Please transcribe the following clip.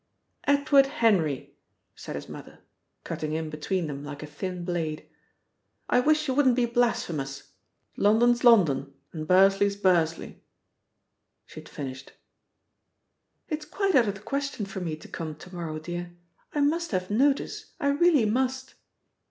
"Edward Henry," said his mother, cutting in between them like a thin blade, "I wish you wouldn't be blasphemous. London's London, and Bursley's Bursley." She had finished. "It's quite out of the question for me to come to morrow, dear. I must have notice. I really must."